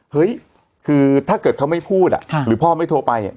เฮ้ยคือถ้าเกิดเขาไม่พูดหรือพ่อไม่โทรไป